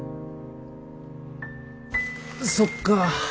そっか。